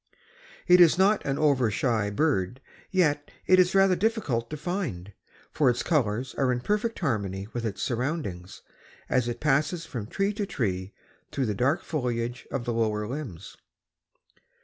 It is not an over shy bird, yet it is rather difficult to find, for its colors are in perfect harmony with its surroundings as it passes from tree to tree through the dark foliage of the lower limbs.